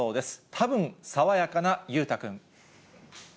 たぶん爽やかな裕太君。